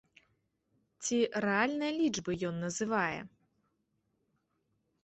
Ці рэальныя лічбы ён называе?